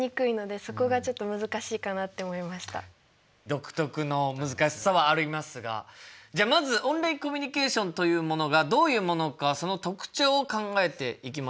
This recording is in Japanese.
独特の難しさはありますがじゃあまずオンラインコミュニケーションというものがどういうものかその特徴を考えていきましょう。